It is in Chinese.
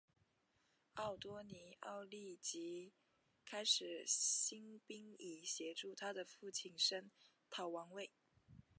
奥多尼奥立即开始兴兵以协助他的父亲声讨王位。